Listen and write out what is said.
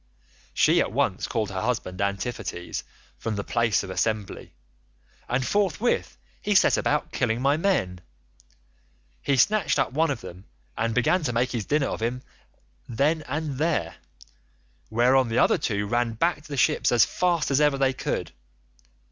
"She at once called her husband Antiphates from the place of assembly, and forthwith he set about killing my men. He snatched up one of them, and began to make his dinner off him then and there, whereon the other two ran back to the ships as fast as ever they could.